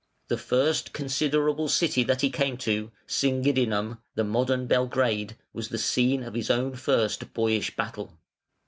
The first considerable city that he came to, Singidunum (the modern Belgrade), was the scene of his own first boyish battle.